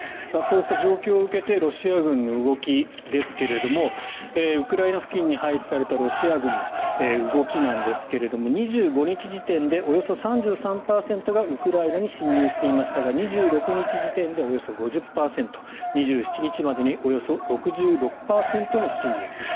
そうした状況を受けてロシア軍の動きですがウクライナ付近に配置されたロシア軍の動きなんですが２５日時点でおよそ３３％がウクライナに侵入していましたが２６日時点でおよそ５０％２７日までにおよそ６６％の侵入。